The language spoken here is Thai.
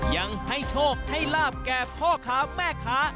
ยังให้โชคให้ลาบแก่พ่อค้าแม่ค้า